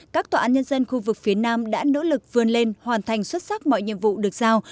các tòa án nhân dân khu vực phía nam đã nỗ lực vươn lên hoàn thành xuất sắc mọi nhiệm vụ được giao